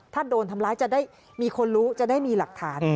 ถ้าโดนทำร้ายจะได้มีคนรู้จะได้มีหลักฐาน